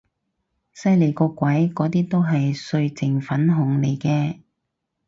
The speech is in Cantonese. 犀利個鬼，嗰啲都係歲靜粉紅嚟嘅